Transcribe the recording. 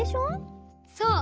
そう！